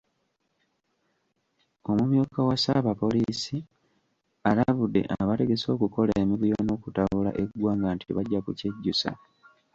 Omumyuka wa Ssaabapoliisi alabudde abategese okukola emivuyo n’okutabula eggwanga nti bajja kukyejjusa.